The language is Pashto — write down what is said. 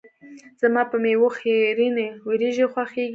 زما په میو خیرنې وريژې خوښیږي.